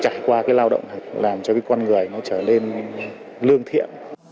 trải qua cái lao động làm cho cái con người nó trở lên lương thiện